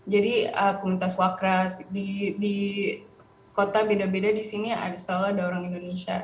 jadi komunitas wakras di kota beda beda di sini ada setahu ada orang indonesia